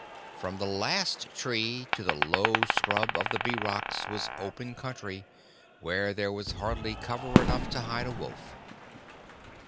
From the last tree to the low scrub of the Bee Rocks was open country, where there was hardly cover enough to hide a wolf.